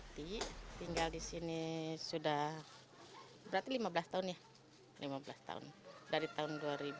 tinggal di sini sudah berarti lima belas tahun ya dari tahun dua ribu enam